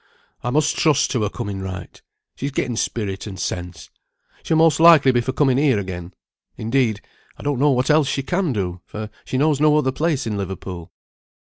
I must trust to her coming right. She's getten spirit and sense. She'll most likely be for coming here again. Indeed, I don't know what else she can do, for she knows no other place in Liverpool.